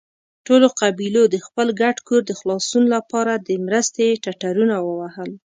ټولو قبيلو د خپل ګډ کور د خلاصون له پاره د مرستې ټټرونه ووهل.